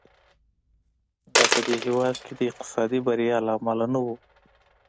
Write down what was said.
دا په دې هېواد کې د اقتصادي بریا له امله نه و.